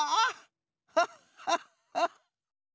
ハッハッハ！